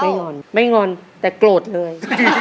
งอนไม่งอนแต่โกรธเลย